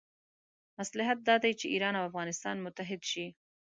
مصلحت دا دی چې ایران او افغانستان متحد شي.